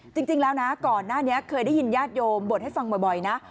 จริงแล้วนะก่อนหน้านี้เคยได้ยินญาติโยมบ่นให้ฟังบ่อยนะ